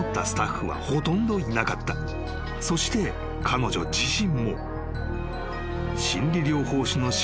［そして彼女自身も］